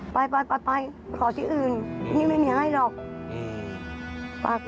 ไปไปขอที่อื่นพี่ไม่มีให้หรอก